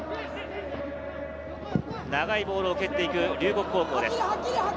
長いボールを蹴っていく龍谷高校です。